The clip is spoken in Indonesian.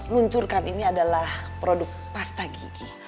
luncurkan ini adalah produk pasta gigi